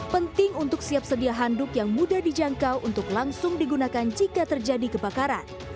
penting untuk siap sedia handuk yang mudah dijangkau untuk langsung digunakan jika terjadi kebakaran